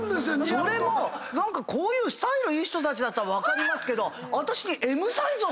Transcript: それもこういうスタイルいい人たちだったら分かりますけど私に。